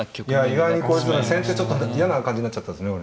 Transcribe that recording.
意外に先手ちょっと嫌な感じになっちゃったですね